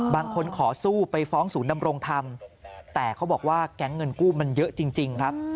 ขอสู้ไปฟ้องศูนย์ดำรงธรรมแต่เขาบอกว่าแก๊งเงินกู้มันเยอะจริงครับ